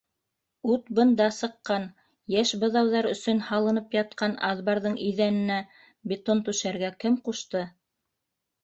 - Ут бында сыҡҡан: йәш быҙауҙар өсөн һалынып ятҡан аҙбарҙың иҙәненә бетон түшәргә кем ҡушты?